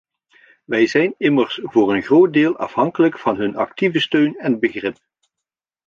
Wij zijn immers voor een groot deel afhankelijk van hun actieve steun en begrip.